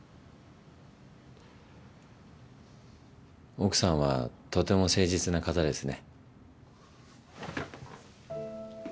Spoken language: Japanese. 奥さんはとても誠実な方ですね。